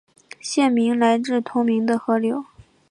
县名来自同名的河流。